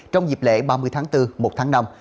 trong dịp lễ ba mươi tháng bốn một tháng năm